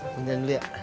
minyan dulu ya